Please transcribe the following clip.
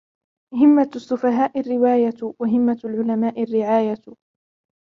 هِمَّةُ السُّفَهَاءِ الرِّوَايَةُ وَهِمَّةُ الْعُلَمَاءِ الرِّعَايَةُ